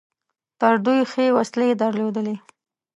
تر دوی ښې وسلې درلودلې.